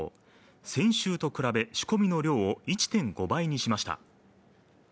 先週と比べ、仕込みの量を１．５倍にしました。